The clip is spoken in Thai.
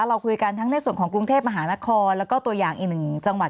เราคุยกันทั้งในส่วนของกรุงเทพมหานครแล้วก็ตัวอย่างอีกหนึ่งจังหวัด